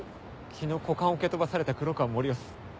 昨日股間を蹴飛ばされた黒川森生っす。